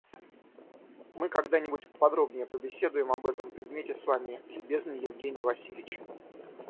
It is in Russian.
Мы когда-нибудь поподробнее побеседуем об этом предмете с вами, любезный Евгений Васильич.